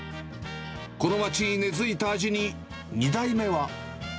この町に根づいた味に、２代目は。